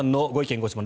・ご質問